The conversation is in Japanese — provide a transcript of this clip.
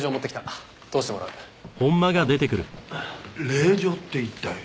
令状って一体？